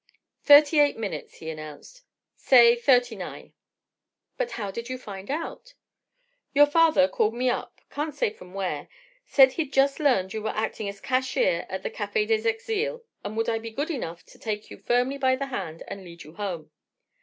"Thirty eight minutes," he announced—"say, thirty nine." "But how did you find out—?" "Your father called me up—can't say from where—said he'd just learned you were acting as cashier at the Café des Exiles, and would I be good enough to take you firmly by the hand and lead you home."